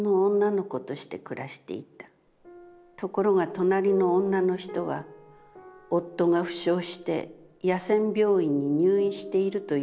ところが隣りの女の人は夫が負傷して、野戦病院に入院しているという手紙をもらった。